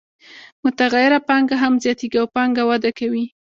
متغیره پانګه هم زیاتېږي او پانګه وده کوي